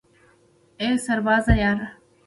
ای سربازه یاره